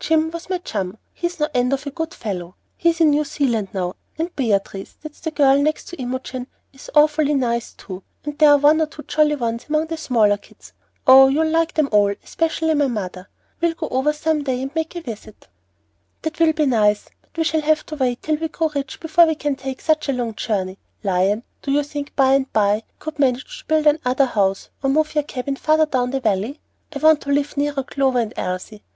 Jim was my chum, he's no end of a good fellow. He's in New Zealand now. And Beatrice that's the next girl to Imogen is awfully nice too, and there are one or two jolly ones among the smaller kids. Oh, you'll like them all, especially my mother. We'll go over some day and make them a visit." "That will be nice; but we shall have to wait till we grow rich before we can take such a long journey. Lion, do you think by and by we could manage to build another house, or move your cabin farther down the Valley? I want to live nearer Clover and Elsie.